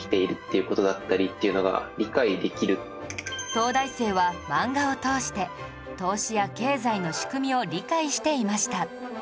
東大生は漫画を通して投資や経済の仕組みを理解していました